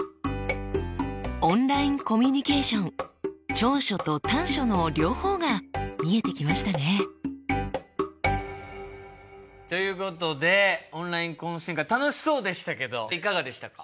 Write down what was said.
オンラインコミュニケーション長所と短所の両方が見えてきましたね。ということでオンライン懇親会楽しそうでしたけどいかがでしたか？